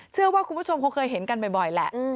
เชื่อว่าคุณผู้ชมคงเคยเห็นกันบ่อยแหละ